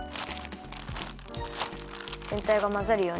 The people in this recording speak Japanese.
ぜんたいがまざるように。